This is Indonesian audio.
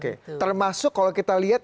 oke termasuk kalau kita lihat